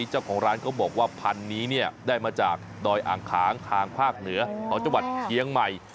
เจ้าของร้านก็บอกว่าพันธุ์นี้ได้มาจากดอยอ่างขางทางภาคเหนือของจังหวัดเชียงใหม่